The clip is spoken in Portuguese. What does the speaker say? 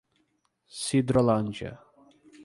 Sidrolândia